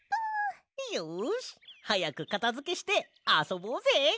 よしはやくかたづけしてあそぼうぜ！